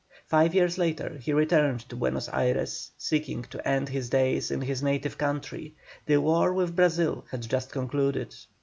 Five years later he returned to Buenos Ayres, seeking to end his days in his native country; the war with Brazil had just concluded.